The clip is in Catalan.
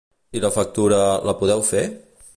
I la factura, la podeu fer?